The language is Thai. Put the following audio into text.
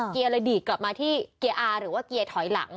เกียร์เลยดีดกลับมาที่เกียร์อาหรือว่าเกียร์ถอยหลัง